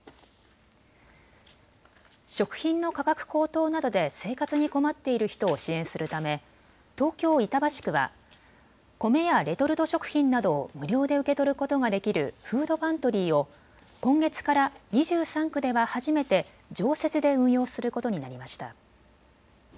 食品の価格高騰などで生活に困っている人を支援するため東京板橋区は米やレトルト食品などを無料で受け取ることができるフードパントリーを今月から２３区では初めて常設で運用することになりました。